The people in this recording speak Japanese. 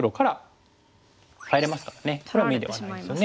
それは眼ではないですよね。